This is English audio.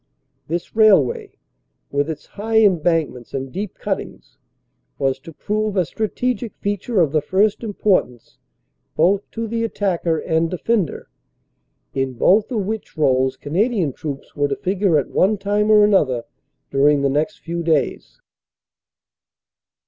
This railway, with its high embankments and deep cut tings, was to prove a strategic feature of the first importance both to the attacker and defender, in both of which roles Cana dian troops were to figure at one time or another during the next few days.